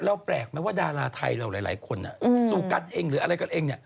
แล้วแปลกมั้ยว่าดาราไทยเราหลายคนซูกัสอีกหรืออะไรกันเอง